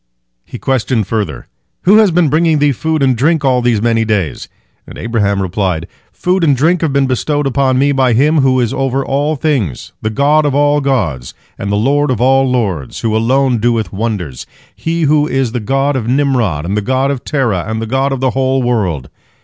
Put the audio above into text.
He questioned further, "Who has been bringing thee food and drink all these many days?" and Abraham replied: "Food and drink have been bestowed upon me by Him who is over all things, the God of all gods and the Lord of all lords, who alone doeth wonders, He who is the God of Nimrod and the God of Terah and the God of the whole world.